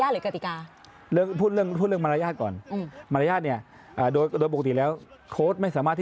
อันนี้คือพูดเรื่องมารยาทหรือกฎิกา